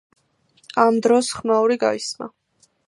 ამ დროს ხმაური გაისმა.